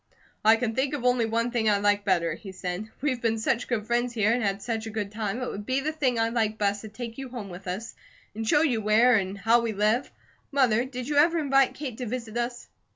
"I can think of only one thing I'd like better," he said. "We've been such good friends here and had such a good time, it would be the thing I'd like best to take you home with us, and show you where and how we live. Mother, did you ever invite Kate to visit us?"